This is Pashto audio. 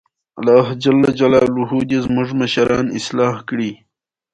د شخصي ارزښتونو موندلو لپاره له ځان څخه پوښتنې وکړئ.